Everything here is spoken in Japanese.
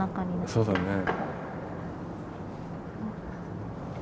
そうだね。